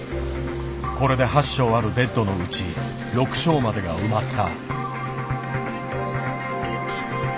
これで８床あるベッドのうち６床までが埋まった。